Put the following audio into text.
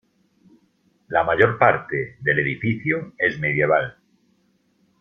La mayor parte del edificio es medieval.